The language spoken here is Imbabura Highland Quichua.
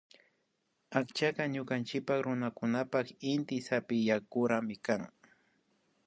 Akchaka ñukanchik runakunapan inty zapiwankurik kan